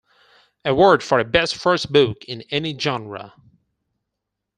Award for a best first book in any genre.